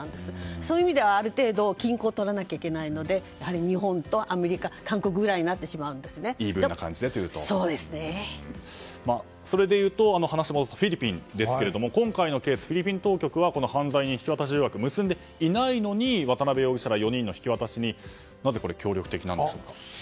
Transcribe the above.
そういう意味ではある程度均衡をとらないといけないので日本とアメリカあとは韓国ぐらいにそれでいうと、話を戻すとフィリピンですが今回のケース、フィリピン当局は犯罪人引き渡し条約を結んでいないのに渡辺容疑者ら４人の引き渡しになぜこれ、協力的なんでしょうか。